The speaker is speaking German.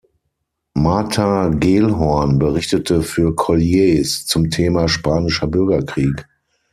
Martha Gellhorn berichtete für "Collier's" zum Thema Spanischer Bürgerkrieg.